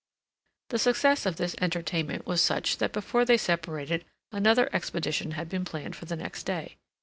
The success of this entertainment was such that before they separated another expedition had been planned for the next day.